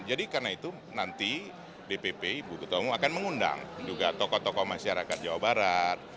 jadi karena itu nanti dpp ibu ketua umu akan mengundang juga tokoh tokoh masyarakat jawa barat